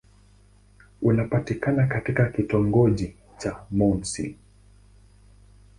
Unapatikana katika kitongoji cha Mouassine.